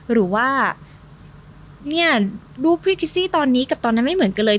หรือว่าเนี่ยรูปพี่คิซี่ตอนนี้กับตอนนั้นไม่เหมือนกันเลย